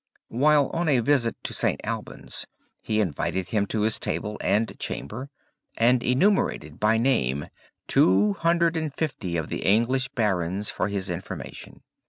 While on a visit to St. Albans he invited him to his table and chamber, and enumerated by name two hundred and fifty of the English barons for his information.